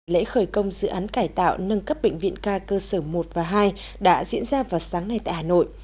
lễ khởi công dự án cải tạo nâng cấp bệnh viện ca cơ sở một và hai đã diễn ra vào sáng nay tại hà nội